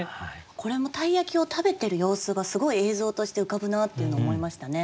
これも鯛焼を食べてる様子がすごい映像として浮かぶなっていうのを思いましたね。